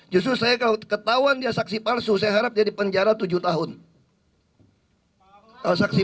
justru saya kalau ketahuan dia saksi palsu saya harap jadi penjara tujuh tahun saksi